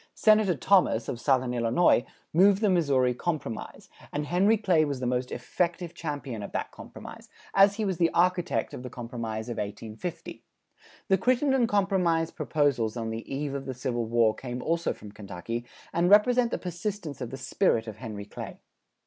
Senator Thomas, of southern Illinois, moved the Missouri Compromise, and Henry Clay was the most effective champion of that compromise, as he was the architect of the Compromise of 1850. The Crittenden compromise proposals on the eve of the Civil War came also from Kentucky and represent the persistence of the spirit of Henry Clay.